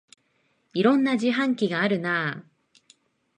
いろんな自販機があるなあ